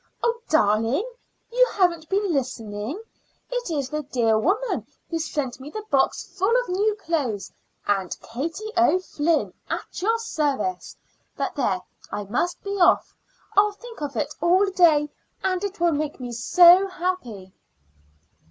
"Oh, darling, you haven't been listening. It is the dear woman who sent me the box full of new clothes Aunt Katie O'Flynn, at your service. But there! I must be off. I'll think of it all day, and it will make me so happy."